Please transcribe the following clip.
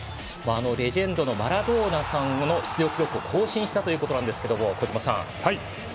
レジェンドのマラドーナさんの記録を更新したということです。